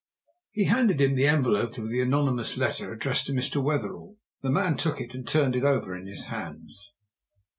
He handed him the envelope of the anonymous letter addressed to Mr. Wetherell. The man took it and turned it over in his hands.